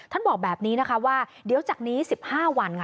ท่านบอกแบบนี้ว่าเดี๋ยวจากนี้๑๕วัน